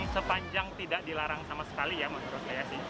sepanjang tidak dilarang sama sekali ya menurut saya sih